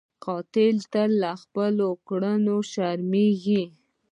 قاتل تل له خپلو کړنو شرمېږي